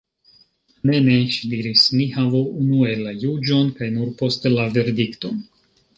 "Ne, ne," ŝi diris, "ni havu unue la juĝon, kaj nur poste la verdikton."